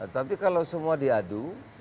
tapi kalau semua diadu